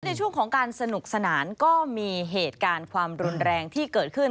ในช่วงของการสนุกสนานก็มีเหตุการณ์ความรุนแรงที่เกิดขึ้น